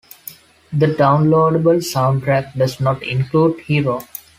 The downloadable soundtrack does not include "Hero".